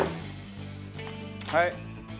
はい。